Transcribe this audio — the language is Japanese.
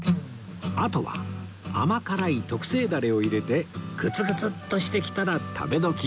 あとは甘辛い特製ダレを入れてグツグツッとしてきたら食べ時